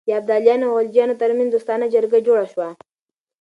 د ابدالیانو او غلجیانو ترمنځ دوستانه جرګه جوړه شوه.